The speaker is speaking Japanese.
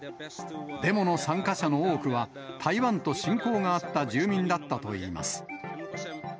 デモの参加者の多くは、台湾と親交があった住民だったといいます。